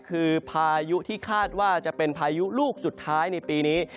คือพายุที่คาดว่าจะเป็นพายุลูกสุดท้ายในปีนี้